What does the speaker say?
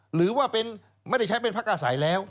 หรือว่าไม่ได้ใช้เป็นพักอาศัยแล้ว